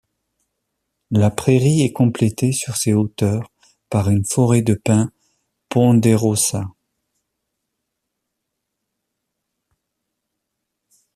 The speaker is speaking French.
La prairie est complétée, sur ses hauteurs, par une forêt de pins ponderosa.